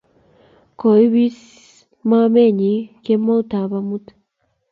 Koibisio mamae kemoutab amut